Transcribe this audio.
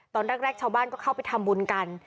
ตอนแรกชาวบ้านก็เข้าไปทำบุญกัน